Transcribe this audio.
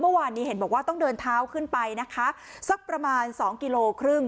เมื่อวานนี้เห็นบอกว่าต้องเดินเท้าขึ้นไปนะคะสักประมาณสองกิโลครึ่ง